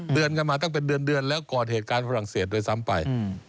เดือนกันมาตั้งเป็นเดือนแล้วก่อเหตุการณ์ฝรั่งเศสด้วยซ้ำไป